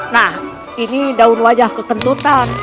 nah ini daun wajah kekentutan